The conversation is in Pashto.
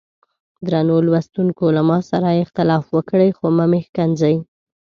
درنو لوستونکو له ما سره اختلاف وکړئ خو مه مې ښکنځئ.